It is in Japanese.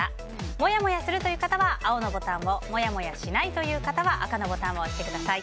モヤモヤするという方は青のボタンをモヤモヤしないという方は赤のボタンを押してください。